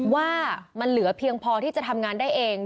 ว่ามันเหลือเพียงพอที่จะทำงานได้เอง